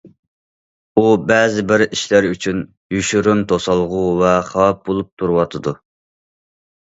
ئۇ بەزىبىر ئىشلار ئۈچۈن يوشۇرۇن توسالغۇ ۋە خەۋپ بولۇپ تۇرۇۋاتىدۇ.